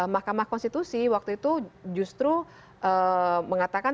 mahkamah konstitusi waktu itu justru mengatakan